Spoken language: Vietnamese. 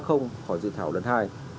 hỏi dự thảo lần hai